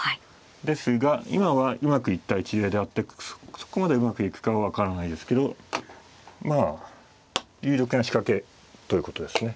ですが今はうまくいった一例であってそこまでうまくいくかは分からないですけどまあ有力な仕掛けということですね。